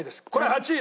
８位！